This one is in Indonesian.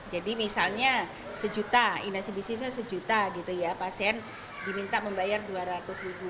jadi misalnya sejuta inasi bisnisnya sejuta gitu ya pasien diminta membayar dua ratus ribu